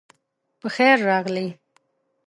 پخير راغلئ